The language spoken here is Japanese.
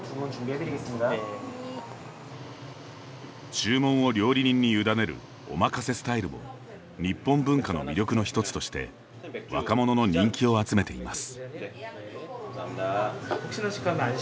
注文を料理人に委ねるおまかせスタイルも日本文化の魅力のひとつとして若者の人気を集めています。